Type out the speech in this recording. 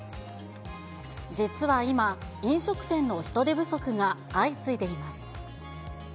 実は今、飲食店の人手不足が相次いでいます。